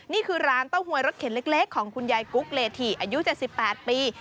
นี่คือร้านเต้าหวยรสเข็นเล็กของคุณยายกุ๊กเลถีอายุ๗๘ปี